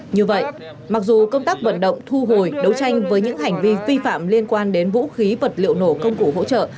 như vậy mặc dù công tác vận động thu hồi đấu tranh với những hành vi vi phạm liên quan đến vũ khí vật liệu nổ công cụ hỗ trợ